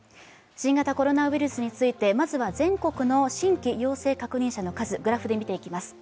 新型コロナウイルスについて、まずは全国の新規陽性確認者の数、グラフで見ていきます。